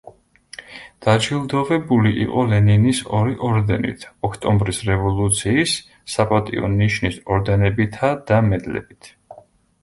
დაჯილდოვებული იყო ლენინის ორი ორდენით, ოქტომბრის რევოლუციის, „საპატიო ნიშნის“ ორდენებითა და მედლებით.